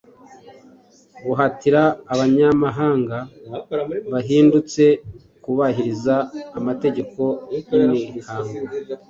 guhatira abanyamahanga bahindutse kubahiriza amategeko y’imihango